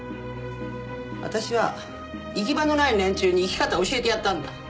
私は行き場のない連中に生き方を教えてやったんだ。